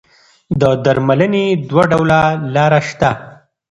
د درملنې دوه ډوله لاره شته.